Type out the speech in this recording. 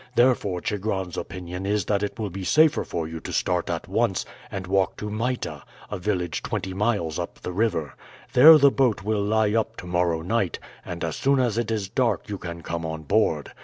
Therefore Chigron's opinion is that it will be safer for you to start at once and walk to Mita, a village twenty miles up the river. There the boat will lie up to morrow night, and as soon as it is dark you can come on board.